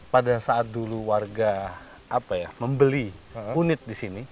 pada saat dulu warga apa ya membeli hunit disini